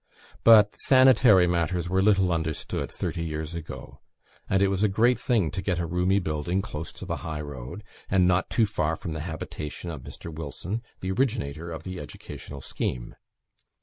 But sanitary matters were little understood thirty years ago; and it was a great thing to get a roomy building close to the high road, and not too far from the habitation of Mr. Wilson, the originator of the educational scheme.